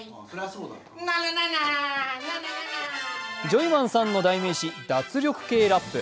ジョイマンさんの代名詞脱力系ラップ。